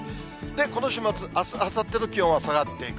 この週末、あす、あさっての気温は下がっていく。